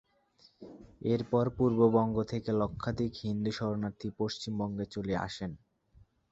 এর পর পূর্ববঙ্গ থেকে লক্ষাধিক হিন্দু শরণার্থী পশ্চিমবঙ্গে চলে আসেন।